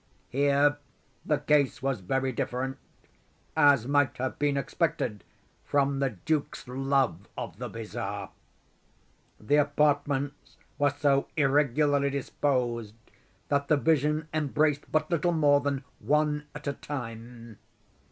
Here the case was very different; as might have been expected from the duke's love of the bizarre. The apartments were so irregularly disposed that the vision embraced but little more than one at a time.